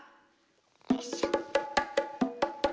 よいしょ。